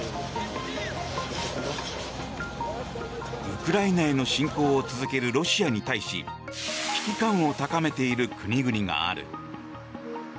ウクライナへの侵攻を続けるロシアに対し危機感を高めている国々がある。